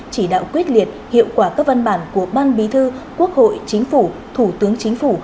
chỉ đạo quyết liệt hiệu quả các văn bản của ban bí thư quốc hội chính phủ thủ tướng chính phủ